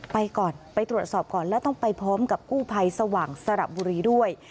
ไปก่อนไปตรวจสอบก่อนแล้วต้องไปพร้อมกับกู้ภัยสว่างสระบุรีด้วย